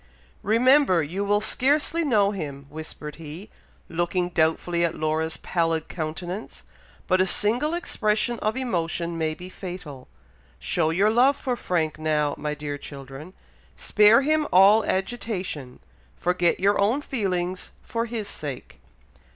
"Remember you will scarcely know him," whispered he, looking doubtfully at Laura's pallid countenance; "but a single expression of emotion may be fatal. Show your love for Frank now, my dear children. Spare him all agitation, forget your own feelings for his sake."